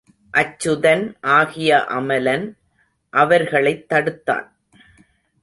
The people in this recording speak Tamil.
அச்சுதன் ஆகிய அமலன் அவர்களைத் தடுத்தான்.